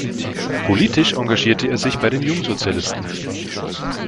Politisch engagierte er sich bei den Jungsozialisten.